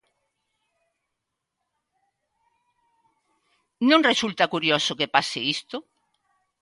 ¿Non resulta curioso que pase isto?